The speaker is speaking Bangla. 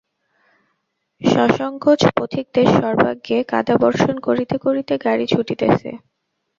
সসংকোচ পথিকদের সর্বাঙ্গে কাদা বর্ষণ করিতে করিতে গাড়ি ছুটিতেছে।